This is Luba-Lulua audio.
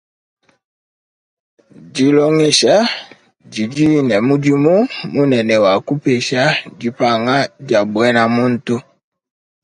Dilongesha didi ne mudimu munene wa kukepesha dipanga dia buena muntu.